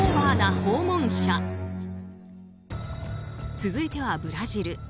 続いては、ブラジル。